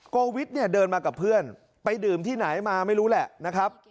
โกวิทย์เนี่ยเดินมากับเพื่อนไปดื่มที่ไหนมาไม่รู้แหละนะครับ